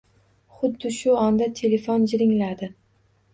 Xuddi shu onda telefon jiringladi